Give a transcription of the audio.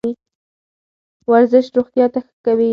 ورزش روغتیا ښه کوي.